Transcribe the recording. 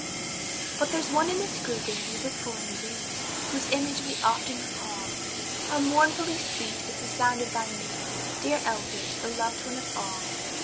But there's one in this grouping we look for in vain, Whose image we often recall; How mournfully sweet is the sound of thy name, Dear Elbridge, the loved one of all.